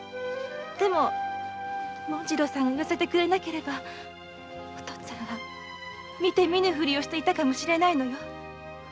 でも紋次郎さんが言わせてくれなければお父っつぁんは見て見ぬふりをしていたかもしれないのよ。